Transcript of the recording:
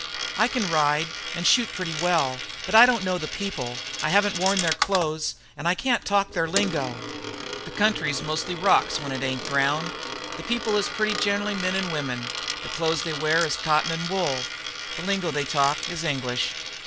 "I can ride and shoot pretty well, but I don't know the people, I haven't worn their clothes, and I can't talk their lingo." "The country's mostly rocks when it ain't ground; the people is pretty generally men and women; the clothes they wear is cotton and wool, the lingo they talk is English."